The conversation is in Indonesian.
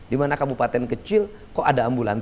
di mana kabupaten kecil kok ada ambulans